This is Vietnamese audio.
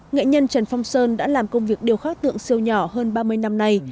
nghệ nhân trần phong sơn đã làm công việc điêu khắc tượng siêu nhỏ hơn ba mươi năm nay